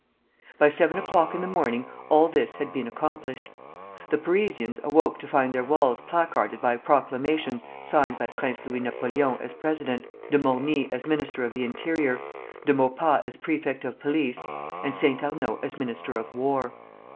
By seven o'clock in the morning all this had been accomplished. The Parisians awoke to find their walls placarded by proclamations signed by Prince Louis Napoleon as President, De Morny as Minister of the Interior, De Maupas as Prefect of Police, and Saint Arnaud as Minister of War.